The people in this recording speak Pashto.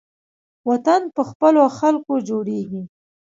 وطن په خپلو خلکو جوړیږي